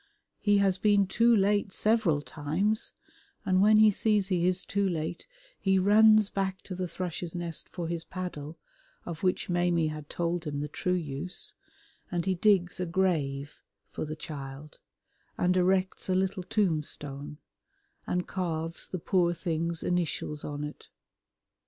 He has been too late several times, and when he sees he is too late he runs back to the Thrush's Nest for his paddle, of which Maimie had told him the true use, and he digs a grave for the child and erects a little tombstone and carves the poor thing's initials on it.